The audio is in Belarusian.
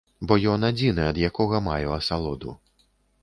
Бо ён адзіны, ад якога маю асалоду.